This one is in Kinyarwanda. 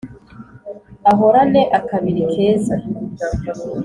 ahorane akabiri keza